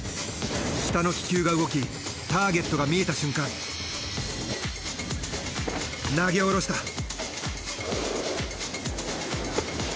下の気球が動きターゲットが見えた瞬間投げおろした。